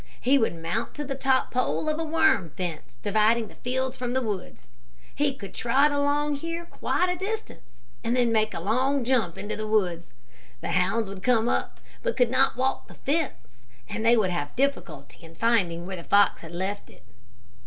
He would mount to the top pole of the worm fence dividing the fields from the woods. He could trot along here quite a distance and then make a long jump into the woods. The hounds would come up, but could not walk the fence, and they would have difficulty in finding where the fox had left it.